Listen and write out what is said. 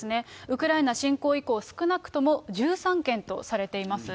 ウクライナ侵攻以降、少なくとも１３件とされています。